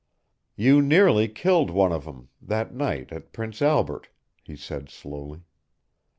"You nearly killed one of them that night at Prince Albert," he said slowly.